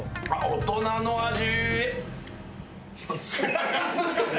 大人の味！